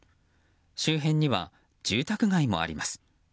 周辺には、住宅街もあります。